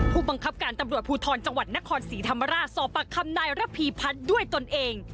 ผู้บังคับการตำรวจภูทรจังหวัดนครศรีธรรมราชสอบปากคำนายระพีพัฒน์ด้วยตนเอง